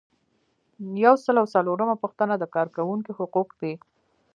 یو سل او څلورمه پوښتنه د کارکوونکي حقوق دي.